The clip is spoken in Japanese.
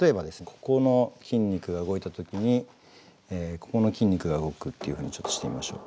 ここの筋肉が動いた時にここの筋肉が動くっていうふうにちょっとしてみましょう。